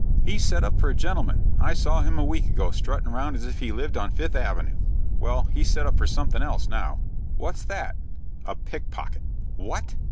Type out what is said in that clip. "He's set up for a gentleman. I saw him a week ago strutting round as if he lived on Fifth Avenue." "Well, he's set up for something else now." "What's that?" "A pick pocket." "What?"